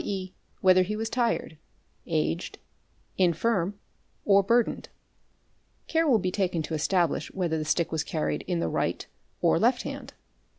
e., whether he was tired, aged, infirm, or burdened. Care will be taken to establish whether the stick was carried in the right or left hand.